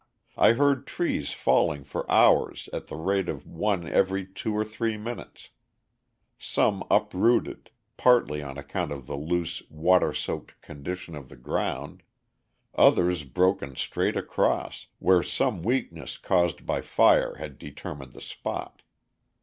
I heard trees falling for hours at the rate of one every two or three minutes; some uprooted, partly on account of the loose, water soaked condition of the ground; others broken straight across, where some weakness caused by fire had determined the spot.